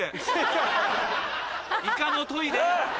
イカのトイレ！